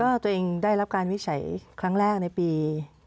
ตัวเองได้รับการวิจัยครั้งแรกในปี